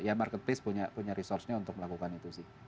ya marketplace punya resource nya untuk melakukan itu sih